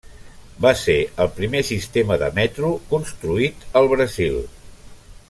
Va ser el primer sistema de metro construït al Brasil.